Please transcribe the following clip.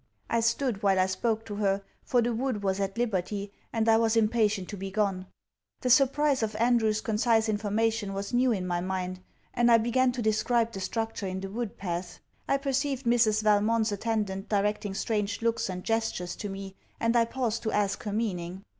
I stood while I spoke to her, for the wood was at liberty, and I was impatient to be gone. The surprise of Andrew's concise information was new in my mind, and I began to describe the structure in the wood path. I perceived Mrs. Valmont's attendant directing strange looks and gestures to me, and I paused to ask her meaning.